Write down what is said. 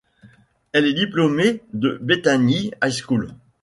Elle est diplômée de Bethany High School.